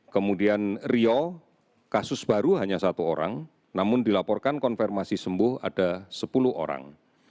kemudian rio kasus baru hanya satu orang namun dilaporkan konfirmasi sembuh ada sepuluh orang